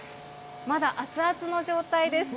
まだ熱々の状態です。